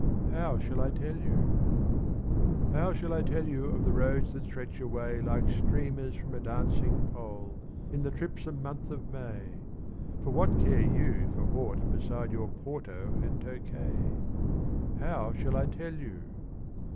How shall I tell you ? Mow shall 1 tell you of the roads that stretch away Like streamers from a dancing pole in the tripsome month of M For what care you for ought I" portO and tokay, I low shall I tell yOU